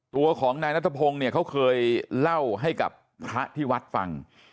ตัวของนายนัทพงศ์เนี่ยเขาเคยเล่าให้กับพระที่วัดฟัง